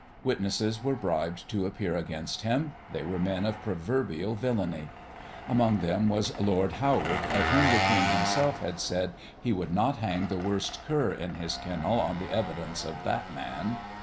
Witnesses were bribed to appear against him; they were men of proverbial villany. Among them was Lord Howard, of whom the king himself had said he would not hang the worst cur in his kennel on the evidence of that man.